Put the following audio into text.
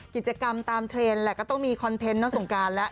กิจกรรมตามเทรนด์แหละก็ต้องมีคอนเทนต์น้องสงการแล้ว